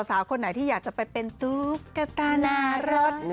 สาวคนไหนที่อยากจะไปเป็นตุ๊กตานารส